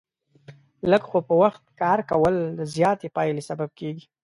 لږ خو په وخت کار کول، د زیاتې پایلې سبب کېږي.